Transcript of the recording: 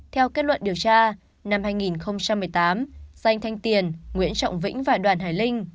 theo kết luận điều tra năm hai nghìn một mươi tám danh thanh tiền nguyễn trọng vĩnh và đoàn hải linh